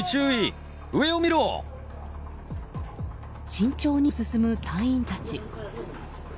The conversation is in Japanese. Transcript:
慎重に進む隊員たち。